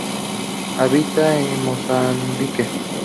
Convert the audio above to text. Habita en Mozambique.